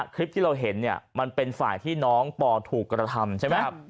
คลิปที่เราเห็นมันเป็นฝ่ายที่น้องปอถูกกระทำ